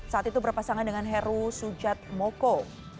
saat itu berpasangan dengan heru sujat mokun